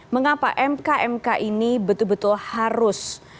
mengapa mk mk ini betul betul harus